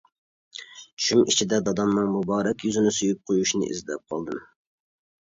چۈشۈم ئىچىدە دادامنىڭ مۇبارەك يۈزىنى سۆيۈپ قويۇشنى ئىزدەپ قالدىم.